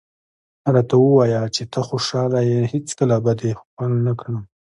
راته ووایه چې ته خوشحاله یې، هېڅکله به دې ښکل نه کړم.